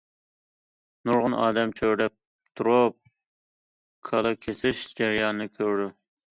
نۇرغۇن ئادەم چۆرىدەپ تۇرۇپ كالا كېسىش جەريانىنى كۆرىدۇ.